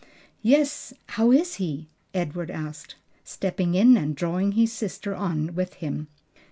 "Yes. How is he?" Edward asked, stepping in and drawing his sister on with him.